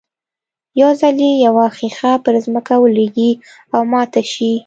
يو ځل چې يوه ښيښه پر ځمکه ولوېږي او ماته شي.